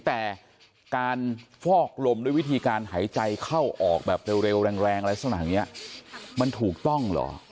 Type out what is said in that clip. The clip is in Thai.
แต่การฟอกลมด้วยวิธีการหายใจเข้าออกแบบเร็วแรงอะไรลักษณะอย่างนี้มันถูกต้องเหรอ